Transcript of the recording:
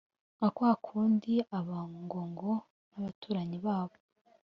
nka kwakundi abangogo n’abaturanyi babo